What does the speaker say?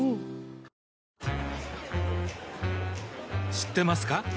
知ってますか？